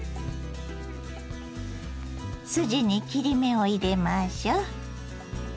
筋に切り目を入れましょう。